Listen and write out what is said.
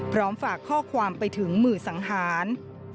พร้อมฝากข้อความไปถึงมือสังหาร